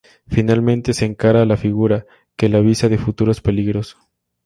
Finalmente se encara a la figura, que le avisa de futuros peligros.